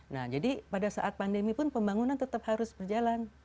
nah jadi pada saat pandemi pun pembangunan tetap harus berjalan